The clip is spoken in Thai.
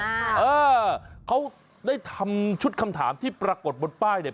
เออเขาได้ทำชุดคำถามที่ปรากฏบนป้ายเนี่ย